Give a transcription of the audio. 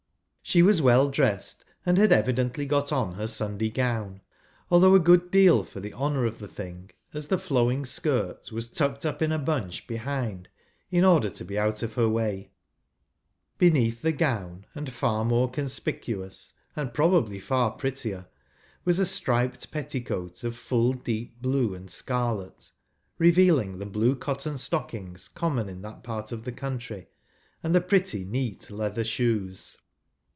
She was well dressed, and had evidently got on her Sunday gown, although a good deal for the honour of the thing, as the flowing skirt was tucked up in a bunch behind, in order to be out of her way ; beneath the gown, and far more conspicuous — and, possibly, far prettier — was a striped petticoat of full deep blue and scarlet, revealing the blue cotton stockings common in that part of the country, and the pretty, neat leather shoes.